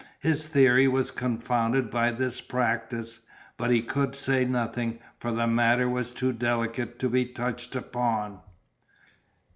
His theory was confounded by this practice. But he could say nothing, for the matter was too delicate to be touched upon.